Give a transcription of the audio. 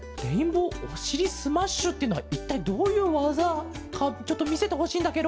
スマッシュっていうのはいったいどういうわざかちょっとみせてほしいんだケロ。